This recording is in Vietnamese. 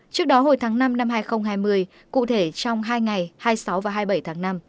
trước đó hồi tháng năm năm hai nghìn hai mươi cụ thể trong hai ngày hai mươi sáu và hai mươi bảy tháng năm